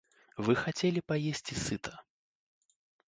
Вы хацелі паесці сыта.